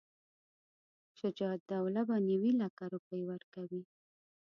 شجاع الدوله به نیوي لکه روپۍ ورکوي.